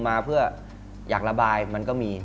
มาเพื่ออยากระบายมันก็มี